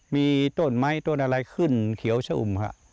มีต้นไม้ต้นอะไรขึ้นเขียวชะอุ่มครับ